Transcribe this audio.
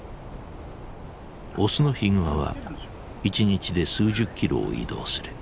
オスのヒグマは一日で数十キロを移動する。